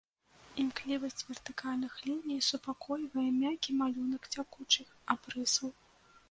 Імклівасць вертыкальных ліній супакойвае мяккі малюнак цякучых абрысаў.